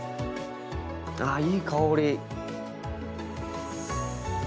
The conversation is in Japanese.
ああいい香り！